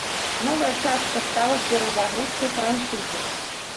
Новая частка стала перазагрузкай франшызы.